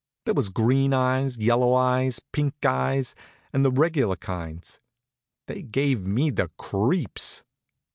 There was green eyes, yellow eyes, pink eyes, and the regular kinds. They gave me the creeps.